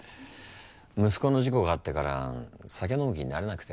息子の事故があってから酒飲む気になれなくて。